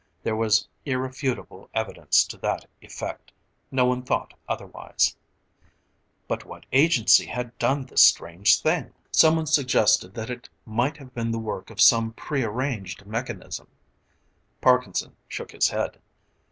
There was irrefutable evidence to that effect; no one thought otherwise. But what agency had done this strange thing? Someone suggested that it might have been the work of some prearranged mechanism. Parkinson shook his head.